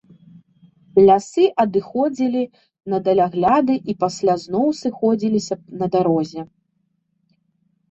Лясы адыходзілі на далягляды і пасля зноў сыходзіліся на дарозе.